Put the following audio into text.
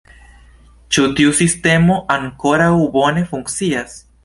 Ĉu tiu sistemo ankoraŭ bone funkcias?